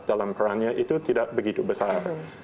dalam perannya itu tidak begitu besar